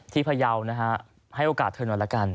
พยาวนะฮะให้โอกาสเธอหน่อยละกัน